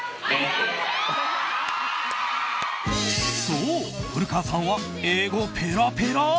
そう、古川さんは英語ペラペラ。